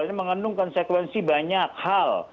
ini mengandung konsekuensi banyak hal